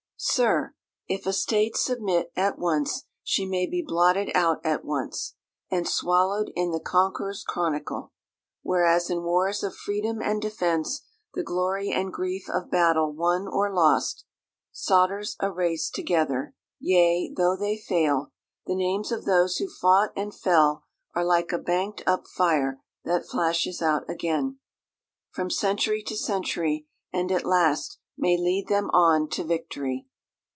"Sir, if a state submit At once, she may be blotted out at once And swallow'd in the conqueror's chronicle. Whereas in wars of freedom and defence The glory and grief of battle won or lost, Solders a race together—yea—tho' they fail, The names of those who fought and fell are like A bank'd up fire that flashes out again From century to century, and at last May lead them on to victory."